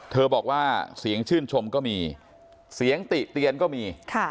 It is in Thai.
บอกว่าเสียงชื่นชมก็มีเสียงติเตียนก็มี